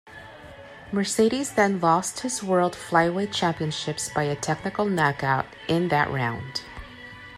Mercedes then lost his world Flyweight championships by a technical knockout in that round.